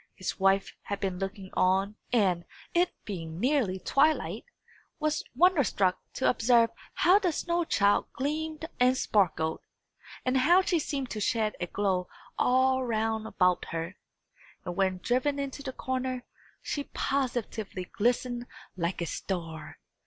His wife had been looking on, and, it being nearly twilight, was wonderstruck to observe how the snow child gleamed and sparkled, and how she seemed to shed a glow all round about her; and when driven into the corner, she positively glistened like a star!